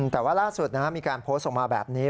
แต่ว่าล่าสุดมีการโพสต์ออกมาแบบนี้